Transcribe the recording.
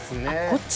こっち？